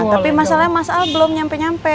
tapi masalahnya mas al belum nyampe nyampe